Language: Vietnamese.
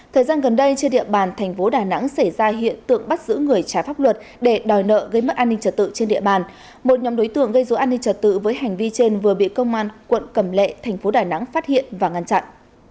thời gian gần đây trên địa bàn thành phố đà nẵng xảy ra hiện tượng bắt giữ người trái pháp luật để đòi nợ gây mất an ninh trật tự trên địa bàn một nhóm đối tượng gây dối an ninh trật tự với hành vi trên vừa bị công an quận cầm lệ thành phố đà nẵng phát hiện và ngăn chặn